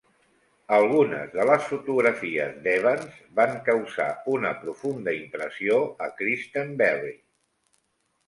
Algunes de les fotografies d'Evans van causar una profunda impressió a Christenberry.